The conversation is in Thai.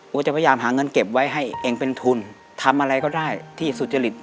ว่าจะพยายามหาเงินเก็บไว้ให้เองเป็นทุนทำอะไรก็ได้ที่สุจริต